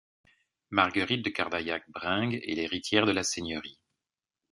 Marguerite de Cardaillac-Brengues est l'héritière de la seigneurie.